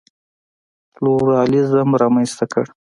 پلورالېزم رامنځته کړ.